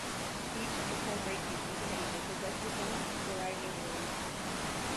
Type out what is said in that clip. Each of the four great peoples of Asia possessed its own variety of rose.